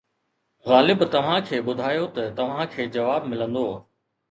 غالب توهان کي ٻڌايو ته توهان کي جواب ملندو